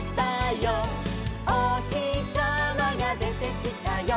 「おひさまがでてきたよ」